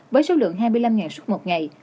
với số lượng hai mươi năm suốt một ngày